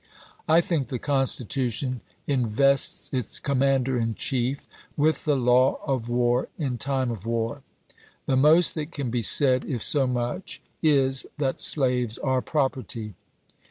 I think the Constitu tion invests its Commander in Chief with the law of war in time of war. The most that can be said, if so much, is, that slaves are property.